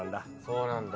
そうなんだ。